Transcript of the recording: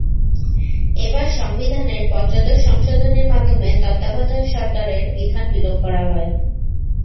এবার, সংবিধানের পঞ্চদশ সংশোধনীর মাধ্যমে তত্ত্বাবধায়ক সরকারের বিধান বিলোপ করা হয়।